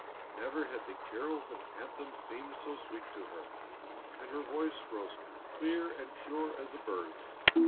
Never had the carols and anthems seemed so sweet to her, and her voice rose clear and pure as a bird's.